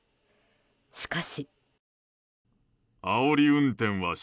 しかし。